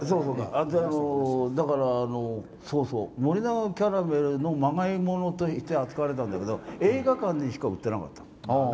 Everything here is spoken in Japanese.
だから、森永キャラメルのまがい物として扱われたんだけど映画館にしか売ってなかった。